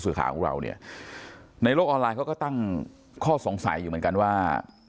ข่าวของเราเนี่ยในโลกออนไลน์เขาก็ตั้งข้อสงสัยอยู่เหมือนกันว่า